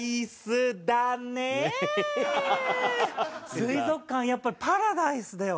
水族館やっぱパラダイスだよ。